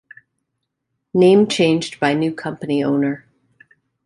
Name changed by new company owner.